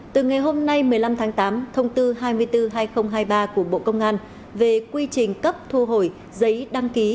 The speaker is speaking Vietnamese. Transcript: từ ngày hôm nay một mươi năm tháng tám thông tư hai mươi bốn hai nghìn hai mươi ba của bộ công an về quy trình cấp thu hồi giấy đăng ký